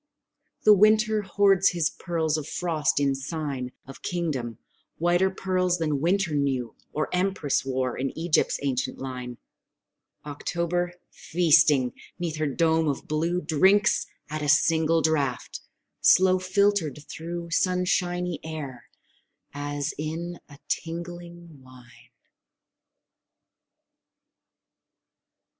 The winter hoards his pearls of frost in sign Of kingdom: whiter pearls than winter knew, Or Empress wore, in Egypt's ancient line, October, feasting 'neath her dome of blue, Drinks at a single draught, slow filtered through Sunshiny air, as in a tingling wine!